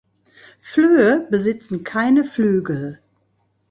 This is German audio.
Flöhe besitzen keine Flügel.